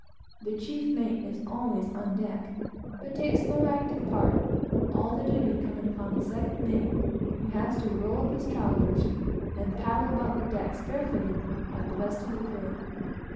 The chief mate is always on deck, but takes no active part, all the duty coming upon the second mate, who has to roll up his trowsers and paddle about decks barefooted, like the rest of the crew.